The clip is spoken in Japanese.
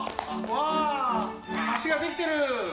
わ橋ができてる！